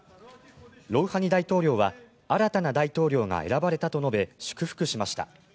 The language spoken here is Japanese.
ロウハニ大統領は新たな大統領が選ばれたと述べ祝福しました。